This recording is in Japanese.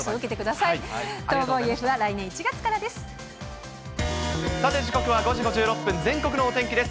さて、時刻は５時５６分、全国のお天気です。